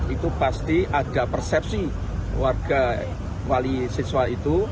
itu pasti ada persepsi warga wali siswa itu